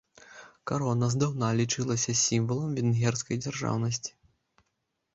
Карона здаўна лічылася сімвалам венгерскай дзяржаўнасці.